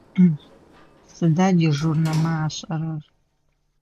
Сыда дежурнэмэ ашӏэрэр?